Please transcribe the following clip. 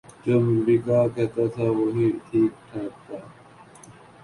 جو امریکہ کہتاتھا وہی ٹھیک ٹھہرتا۔